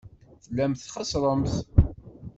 Tellamt txeṣṣremt.